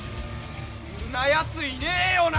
「そんなやついねえよな？」